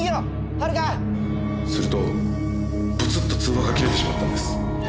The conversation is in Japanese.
するとぶつっと通話が切れてしまったんです